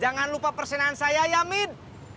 jangan lupa persenaan saya ya hamid